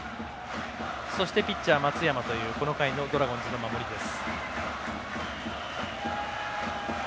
そして、ピッチャー松山というこの回のドラゴンズの守りです。